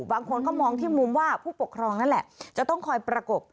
บางคนก็มองที่มุมว่าผู้ปกครองนั่นแหละจะต้องคอยประกบ